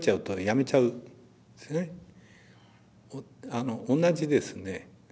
あの同じですね。